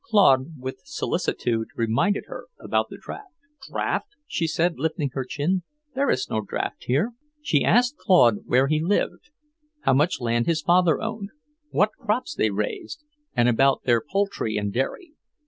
Claude with solicitude reminded her about the draft. "Draft?" she said lifting her chin, "there is no draft here." She asked Claude where he lived, how much land his father owned, what crops they raised, and about their poultry and dairy.